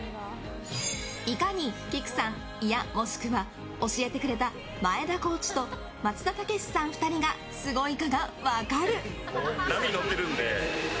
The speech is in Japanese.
いかにきくさん、いや、もしくは教えてくれた前田コーチと松田丈志さん２人がすごいかが分かる！